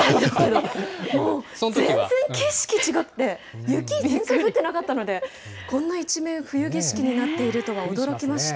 もう全然景色違って、雪、全然降ってなかったので、こんな一面冬景色になっているとは驚きました。